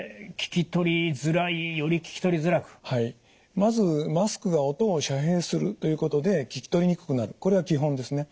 まずマスクが音を遮蔽するということで聞き取りにくくなるこれは基本ですね。